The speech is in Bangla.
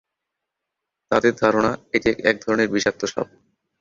তাদের ধারণা, এটি একধরনের বিষাক্ত সাপ।